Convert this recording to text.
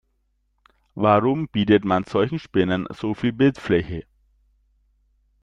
Warum bietet man solchen Spinnern so viel Bildfläche?